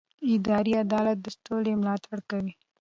اداري عدالت د سولې ملاتړ کوي